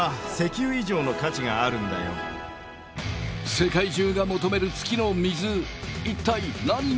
世界中が求める月の水一体何に使われるのか？